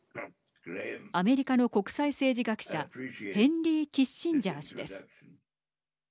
アメリカの国際政治学者ヘンリー・キッシンジャー氏です。